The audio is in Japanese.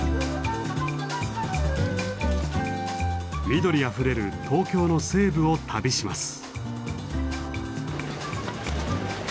緑あふれる東京の西部を旅します。